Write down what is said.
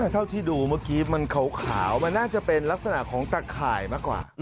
เท่าที่ดูเมื่อกี้มันขาวมันน่าจะเป็นลักษณะของตะข่ายมากกว่า